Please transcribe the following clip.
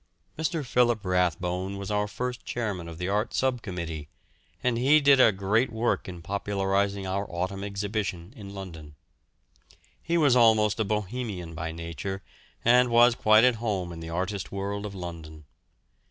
Mr. Philip Rathbone was our first chairman of the Art Sub Committee, and he did a great work in popularising our Autumn Exhibition in London. He was almost a bohemian by nature, and was quite at home in the artist world of London.